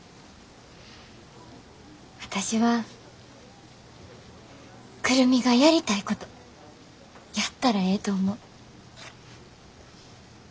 私は久留美がやりたいことやったらええと思う。